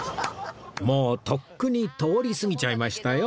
もうとっくに通り過ぎちゃいましたよ